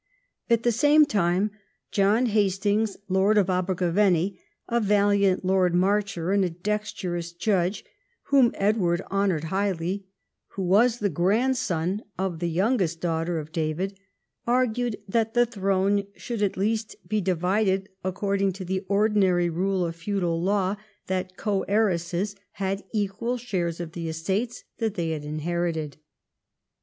At the same time X THE SCOTTISH OVERLORDSHIP 171 John Hastings, lord of Abergavenny, a valiant Lord Marcher and a dexterous judge, whom Edward honoured highly, who was the grandson of the youngest daughter of David, argued that the throne should at least be divided according to the ordinary rule of feudal law that co heiresses had equal shares of the estates that they had inherited.